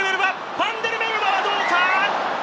ファンデルメルヴァはどうか？